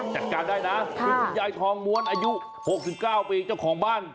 จัดการได้นะคือคุณยายทองม้วนอายุ๖๙ปีเจ้าของบ้าน